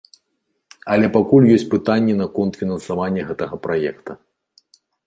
Але пакуль ёсць пытанні наконт фінансавання гэтага праекта.